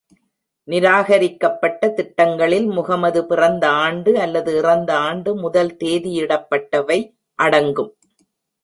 நிராகரிக்கப்பட்ட திட்டங்களில் முகமது பிறந்த ஆண்டு அல்லது இறந்த ஆண்டு முதல் தேதியிடப்பட்டவை அடங்கும்.